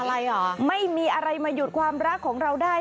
อะไรเหรอไม่มีอะไรมาหยุดความรักของเราได้